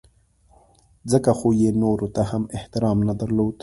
ځکه خو یې نورو ته هم احترام نه درلود.